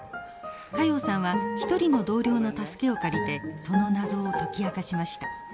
加用さんは一人の同僚の助けを借りてその謎を解き明かしました。